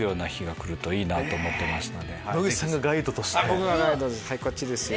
僕がガイドとしてこっちですよ！